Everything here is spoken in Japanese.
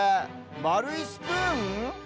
まるいスプーン？